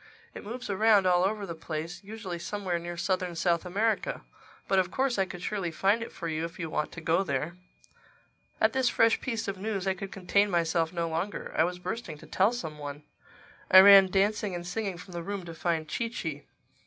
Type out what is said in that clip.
It moves around all over the place—usually somewhere near southern South America. But of course I could surely find it for you if you want to go there." At this fresh piece of news I could contain myself no longer. I was bursting to tell some one. I ran dancing and singing from the room to find Chee Chee.